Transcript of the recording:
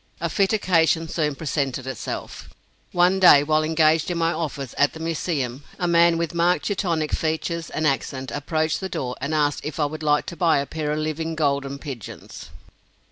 A fit occasion soon presented itself. One day, while engaged in my office at the Museum, a man with marked Teutonic features and accent approached the door and asked if I would like to buy a pair of living golden pigeons.